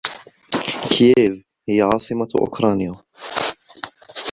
كييف هي عاصمة اوكرانيا.